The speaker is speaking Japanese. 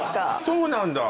そうなんだ？